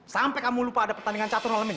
sampai kamu lupa ada pertandingan catur malam ini